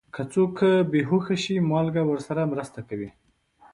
که څوک بې هوښه شي، مالګه ورسره مرسته کوي.